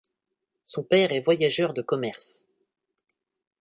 Son père est voyageur de commerce.